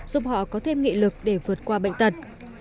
giúp họ có thêm nghị lực để vượt qua bệnh tật